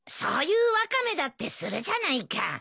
そういうワカメだってするじゃないか。